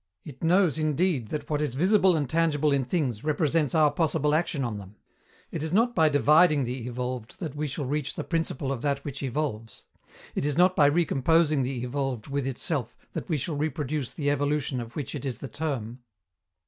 It knows indeed that what is visible and tangible in things represents our possible action on them. It is not by dividing the evolved that we shall reach the principle of that which evolves. It is not by recomposing the evolved with itself that we shall reproduce the evolution of which it is the term.